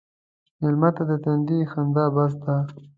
مېلمه ته د تندي خندا بس ده.